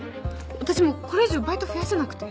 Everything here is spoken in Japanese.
私もうこれ以上バイト増やせなくて。